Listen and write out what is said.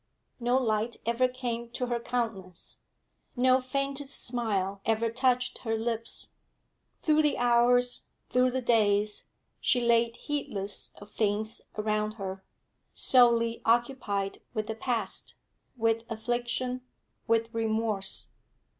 No light ever came to her countenance; no faintest smile ever touched her lips. Through the hours, through the days, she lay heedless of things around her, solely occupied with the past, with affliction, with remorse.